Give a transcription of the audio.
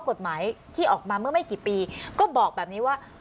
กฎหมายที่ออกมาเมื่อไม่กี่ปีก็บอกแบบนี้ว่า